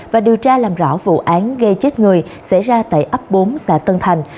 và điều tra làm rõ vụ án gây chết người xảy ra tại ấp bốn xã tân thành